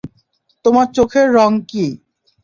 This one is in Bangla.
তোমার চোখের রঙ কী?